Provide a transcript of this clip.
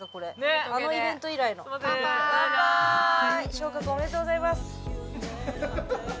昇格おめでとうございます。